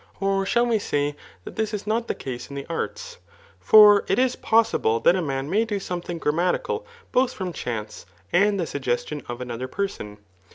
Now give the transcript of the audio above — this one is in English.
Or shsd! vesay) that this is not the case b theartsf For it is pos siUe ^at a man may do something grammatical both fidm chance and the suggestion of another person.